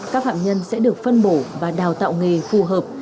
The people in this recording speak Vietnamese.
các phạm nhân sẽ được phân bổ và đào tạo nghề phù hợp